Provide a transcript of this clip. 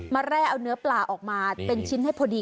แร่เอาเนื้อปลาออกมาเป็นชิ้นให้พอดี